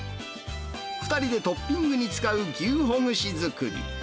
２人でトッピングに使う牛ほぐし作り。